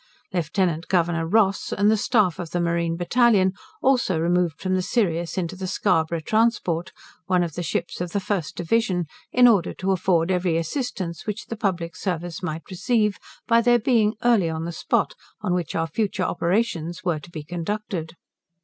Lieutenant Governor Ross, and the Staff of the marine battalion, also removed from the Sirius into the Scarborough transport, one of the ships of the first division, in order to afford every assistance which the public service might receive, by their being early on the spot on which our future operations were to be conducted.